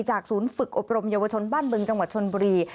ศูนย์ฝึกอบรมเยาวชนบ้านบึงจังหวัดชนบุรี